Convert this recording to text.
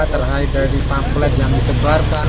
terakhir dari pamflet yang disebarkan